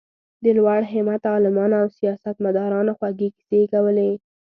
د لوړ همته عالمانو او سیاست مدارانو خوږې کیسې یې کولې.